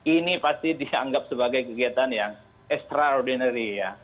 ini pasti dianggap sebagai kegiatan yang extraordinary ya